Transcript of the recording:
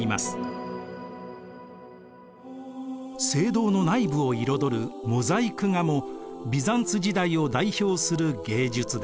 聖堂の内部を彩るモザイク画もビザンツ時代を代表する芸術です。